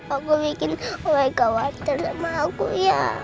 aku bikin om baik gawatir sama aku ya